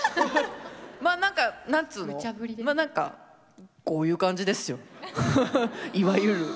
まあ何か何つうの何かこういう感じですよいわゆる。